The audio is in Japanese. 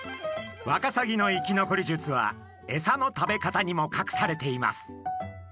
ワカサギの生き残り術はエサの食べ方にもかくされています。